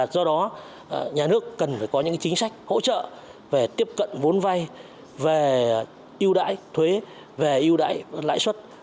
do đó nhà nước cần phải có những chính sách hỗ trợ về tiếp cận vốn vay về ưu đãi thuế về ưu đãi lãi suất